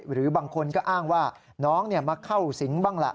หรือบางคนก็อ้างว่าน้องมาเข้าสิงบ้างล่ะ